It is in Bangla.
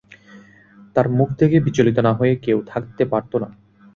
তাঁর মুখ দেখে বিচলিত না হয়ে কেউ থাকতে পারত না।